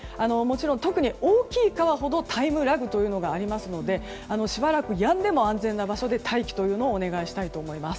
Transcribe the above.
特に大きい川ほどタイムラグがありますのでしばらくやんでも安全な場所で待機をお願いしたいと思います。